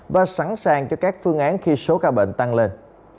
và sẵn sàng cho các phương án khi số ca bệnh tăng lên